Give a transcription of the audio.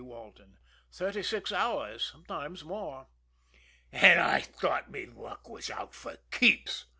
Walton. "Thirty six hours sometimes more." "An' I thought me luck was out fer keeps!"